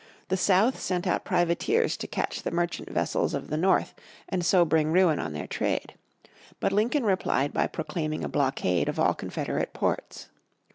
The South sent out privateers to catch the merchant vessels of the North, and so bring ruin on their trade. But Lincoln replied by proclaiming a blockade of all Confederate ports.